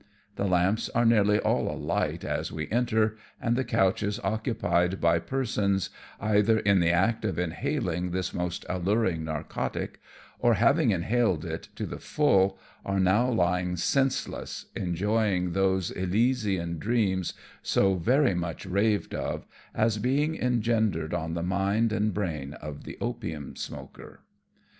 The lamps are nearly all alight as we enter, and the couches occupied by persons, either in the act of inhaling this most alluring narcotic, or, having inhaled it to the full, are now lying senseless, enjoying those elysian dreams so very much raved of, as being engendered on the mind and brain of the opium smoker.